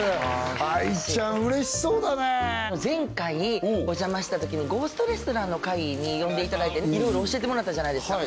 愛ちゃん嬉しそうだね前回お邪魔したときにゴーストレストランの回に呼んでいただいていろいろ教えてもらったじゃないですか